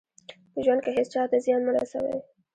په ژوند کې هېڅ چا ته زیان مه رسوئ.